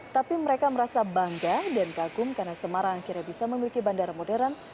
tapi mereka merasa bangga dan kagum karena semarang akhirnya bisa memiliki bandara modern